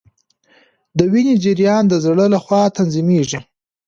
د وینې جریان د زړه لخوا تنظیمیږي